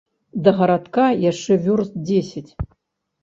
Да гарадка яшчэ вёрст дзесяць.